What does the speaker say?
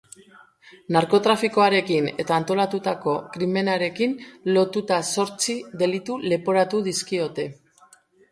Narkotrafikoarekin eta antolatutako krimenarekin lotuta zortzi delitu leporatu dizkiote.